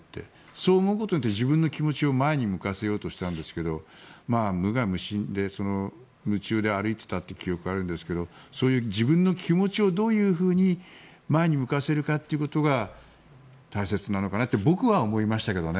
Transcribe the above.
そう思うことによって自分の気持ちを前に向かせようとしたんですが無我夢中で歩いていたという記憶があるんですがそういう自分の気持ちをどう前に向かせるかが大切なのかなって僕は思いましたけどね。